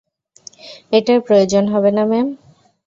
এটার প্রয়োজন হবে না, ম্যাম।